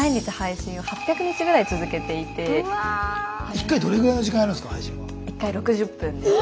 一回どれぐらいの時間やるんですか？